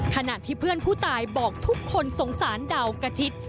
ขณะที่เพื่อนผู้ตายบอกทุกคนสงสารดาวกระทิศ